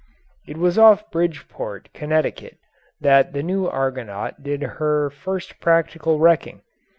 It was off Bridgeport, Connecticut, that the new Argonaut did her first practical wrecking.